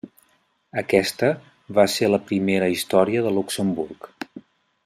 Aquesta va ser la primera història de Luxemburg.